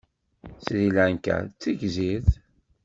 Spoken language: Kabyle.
Sri Lanka d tigzirt.